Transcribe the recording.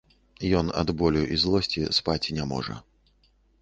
Ён ад болю і злосці спаць не можа.